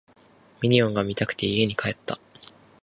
ミニオンが見たくて家に帰った